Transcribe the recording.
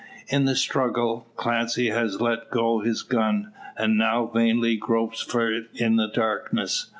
In the struggle Clancy has let go his gun, and now vainly gropes for it in the darkness.